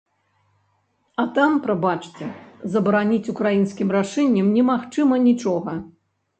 А там, прабачце, забараніць украінскім рашэннем немагчыма нічога.